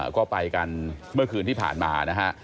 ก็ไปกันเมื่อคืนที่ผ่านมานะฮะ